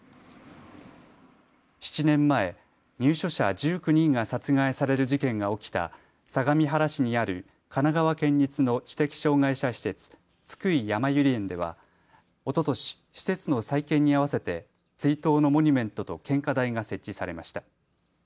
７年前、入所者１９人が殺害される事件が起きた相模原市にある神奈川県立の知的障害者施設、津久井やまゆり園ではおととし施設の再建にあわせて追悼のモニュメントと献花台が設置されました。